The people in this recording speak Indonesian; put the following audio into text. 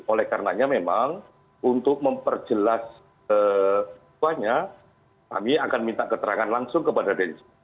oleh karenanya memang untuk memperjelas semuanya kami akan minta keterangan langsung kepada densus